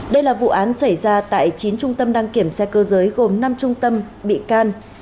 đây là vụ án xảy ra tại chín trung tâm đăng kiểm xe cơ giới gồm năm trung tâm bị can